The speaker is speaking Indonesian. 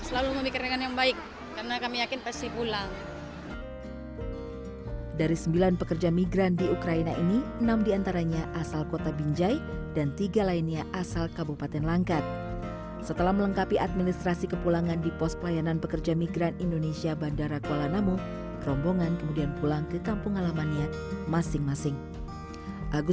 selalu memikirkan yang baik karena kami yakin pasti pulang